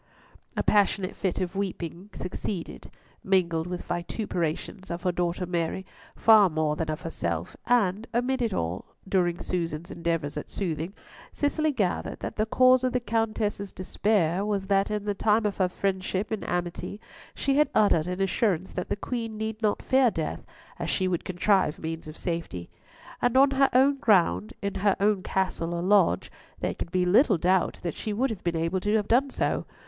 A passionate fit of weeping succeeded, mingled with vituperations of her daughter Mary, far more than of herself, and amid it all, during Susan's endeavours at soothing, Cicely gathered that the cause of the Countess's despair was that in the time of her friendship and amity, she had uttered an assurance that the Queen need not fear death, as she would contrive means of safety. And on her own ground, in her own Castle or Lodge, there could be little doubt that she would have been able to have done so.